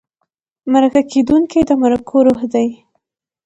مرکه کېدونکی د مرکو روح دی.